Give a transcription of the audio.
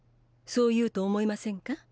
そう言うと思いませんか？